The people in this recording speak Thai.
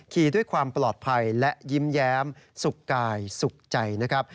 ขี่ด้วยความปลอดภัยและยิ้มแย้มสุขกายสุขใจนะครับ